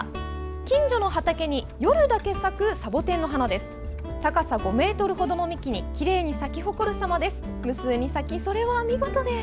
近所の畑に夜だけ咲くサボテンの花です。